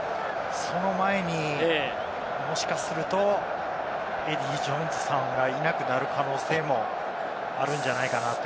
その前に、もしかするとエディー・ジョーンズさんがいなくなる可能性もあるんじゃないかなと。